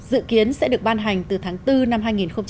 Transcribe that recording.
dự kiến sẽ được ban hành từ tháng bốn năm hai nghìn một mươi tám